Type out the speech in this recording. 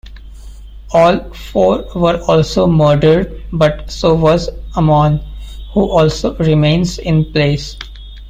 All four were also murdered, but so was Amon, who also remains in place.